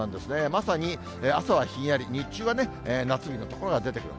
まさに朝はひんやり、日中は夏日の所が出てくる。